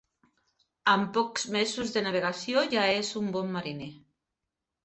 Amb pocs mesos de navegació ja és un bon mariner.